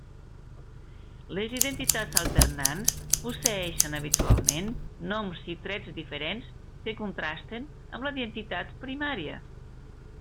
Les identitats alternants posseeixen habitualment noms i trets diferents que contrasten amb la identitat primària.